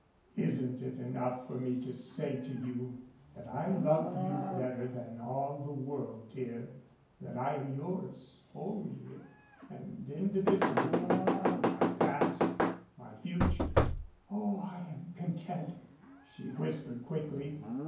"Isn't it enough for me to say to you that I love you better than all the world, dear, that I am yours wholly and indivisibly my past, my future " "Oh, I am content," she whispered quickly.